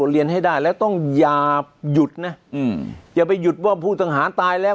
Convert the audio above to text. เรียนให้ได้แล้วต้องอย่าหยุดนะอย่าไปหยุดว่าผู้ต้องหาตายแล้ว